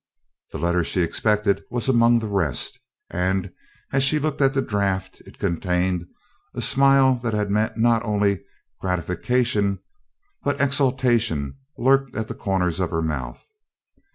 The letter she expected was among the rest, and, as she looked at the draft it contained, a smile that had meant not only gratification but exultation lurked at the corners of her mouth.